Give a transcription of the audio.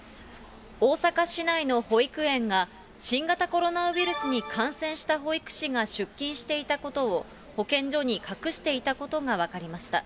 大阪市内の保育園が、新型コロナウイルスに感染した保育士が出勤していたことを保健所に隠していたことが分かりました。